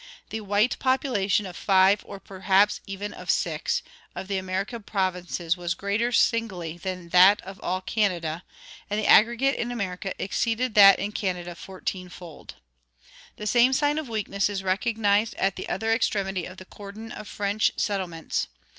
"The white population of five, or perhaps even of six, of the American provinces was greater singly than that of all Canada, and the aggregate in America exceeded that in Canada fourteenfold."[27:3] The same sign of weakness is recognized at the other extremity of the cordon of French settlements.